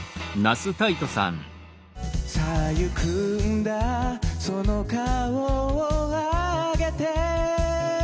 「さあ行くんだその顔をあげて」